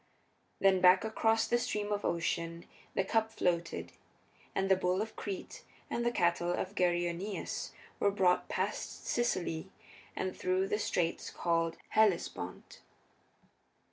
Then back across the Stream of Ocean the cup floated, and the bull of Crete and the cattle of Geryoneus were brought past Sicily and through the straits called the Hellespont.